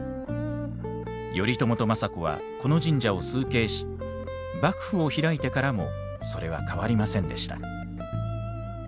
頼朝と政子はこの神社を崇敬し幕府を開いてからもそれは変わりませんでした。